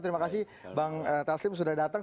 terima kasih bang taslim sudah datang